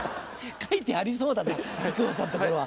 書いてありそうだな木久扇さんのところは。